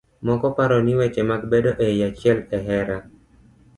Moko paro ni weche mag bedo e achiel e hera.